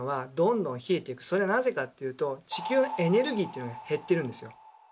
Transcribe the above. それはなぜかっていうと地球のエネルギーっていうのが減ってるんですよ。